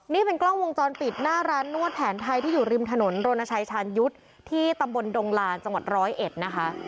นี่เป็นกล้องวงจรปิดหน้าร้านนวดแผนไทยที่อยู่ริมถนนโรนชัยชาญยุทธ์ที่ตำบลดงลานจังหวัดร้อยเอ็ดนะคะ